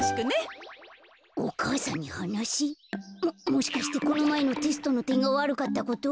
もしかしてこのまえのテストのてんがわるかったこと？